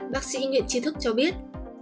bác sĩ nguyễn trì thức cho biết